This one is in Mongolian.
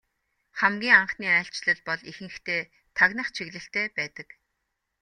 Хамгийн анхны айлчлал бол ихэнхдээ тагнах чиглэлтэй байдаг.